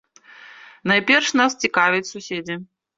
Найперш наш цікавяць суседзі.